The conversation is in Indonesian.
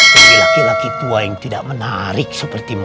bagi laki laki tua yang tidak menarik seperti mama